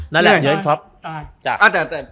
นั่นแหละเยอะครับ